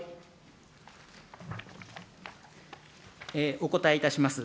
お答えいたします。